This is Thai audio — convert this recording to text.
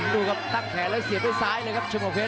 ดูกับตั้งแขนแล้วเสียไปซ้ายเลยครับเฉพาะเผ็ด